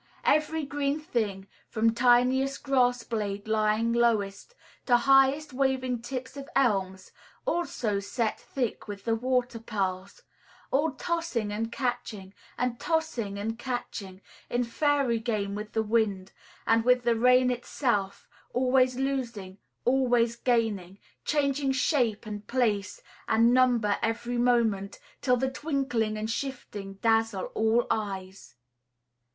Every green thing, from tiniest grass blade lying lowest, to highest waving tips of elms, also set thick with the water pearls; all tossing and catching, and tossing and catching, in fairy game with the wind, and with the rain itself, always losing, always gaining, changing shape and place and number every moment, till the twinkling and shifting dazzle all eyes.